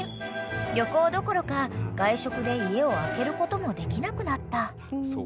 ［旅行どころか外食で家を空けることもできなくなった］